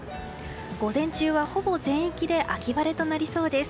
午前中は、ほぼ全域で秋晴れとなりそうです。